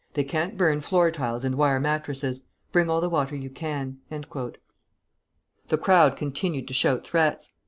They can't burn floor tiles and wire mattresses. Bring all the water you can." The crowd continued to shout threats.